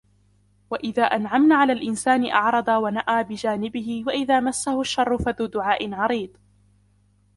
وإذا أنعمنا على الإنسان أعرض ونأى بجانبه وإذا مسه الشر فذو دعاء عريض